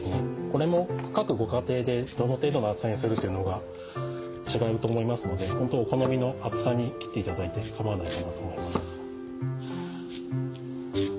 これも各ご家庭でどの程度の厚さにするというのが違うと思いますのでほんとお好みの厚さに切っていただいてかまわないと思います。